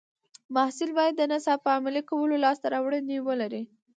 محصل باید د نصاب په عملي کولو لاسته راوړنې ولري.